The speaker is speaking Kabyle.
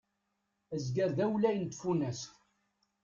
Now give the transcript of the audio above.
Azger d awlay n tfunast.